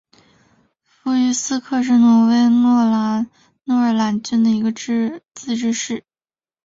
弗于斯克是挪威诺尔兰郡的一个自治市。